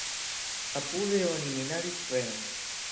Apude oni minadis feron.